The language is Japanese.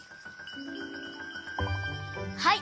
はい。